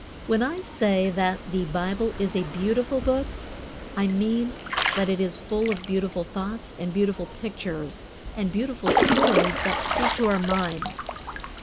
When I say that the Bible is a beautiful book, I mean that it is full of beautiful thoughts and beautiful pictures and beautiful stories that speak to our minds.